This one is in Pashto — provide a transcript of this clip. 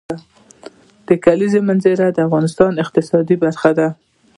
د کلیزو منظره د افغانستان د اقتصاد برخه ده.